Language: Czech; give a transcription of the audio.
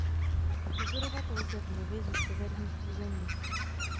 Pozorovat lze vlivy ze severních území.